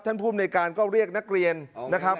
ภูมิในการก็เรียกนักเรียนนะครับ